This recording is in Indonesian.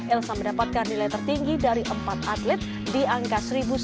elsa mendapatkan nilai tertinggi dari empat atlet di angka seribu sembilan ratus sembilan puluh